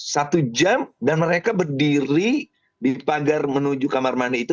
satu jam dan mereka berdiri di pagar menuju kamar mandi itu